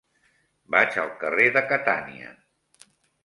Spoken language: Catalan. Vaig al carrer de Catània.